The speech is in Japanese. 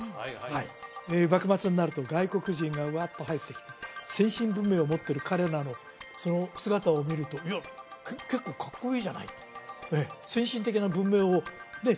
はい幕末になると外国人がうわっと入ってきた先進文明を持っている彼らの姿を見るといや結構かっこいいじゃない先進的な文明をね